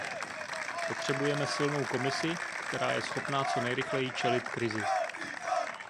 Potřebujeme silnou Komisi, která je schopná co nejrychleji čelit krizi.